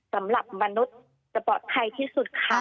สำหรับมนุษย์จะปลอดภัยที่สุดค่ะ